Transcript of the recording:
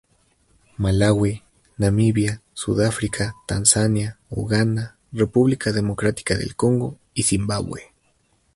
Malaui, Namibia, Sudáfrica, Tanzania, Uganda, República Democrática del Congo y Zimbabue.